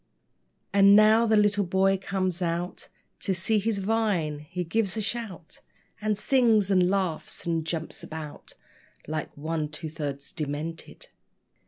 And now the little boy comes out To see his vine. He gives a shout, And sings and laughs, and jumps about Like one two thirds demented.